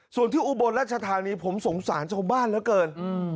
ส่วนที่อุบลรัชธานีผมสงสารชาวบ้านเหลือเกิน